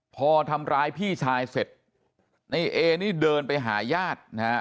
พอทำร้ายพี่ชายเสร็จในเอนี่เดินไปหาญาตินะฮะ